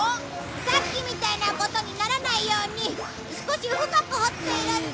さっきみたいなことにならないように少し深く掘っているんだ。